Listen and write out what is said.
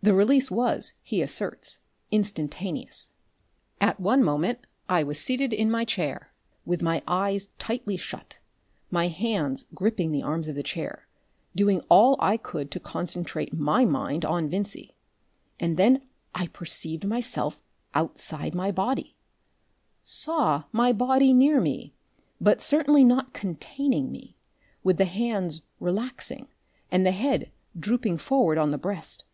The release was, he asserts, instantaneous. "At one moment I was seated in my chair, with my eyes tightly shut, my hands gripping the arms of the chair, doing all I could to concentrate my mind on Vincey, and then I perceived myself outside my body saw my body near me, but certainly not containing me, with the hands relaxing and the head drooping forward on the breast."